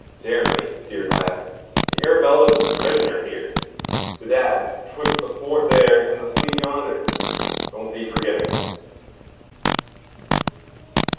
Jeremy, dear lad, the Arabella's a prisoner here, bedad, 'twixt the fort there and the fleet yonder. Don't be forgetting that."